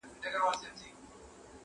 خپله لاسه، گله لاسه